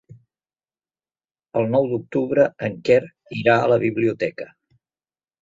El nou d'octubre en Quer irà a la biblioteca.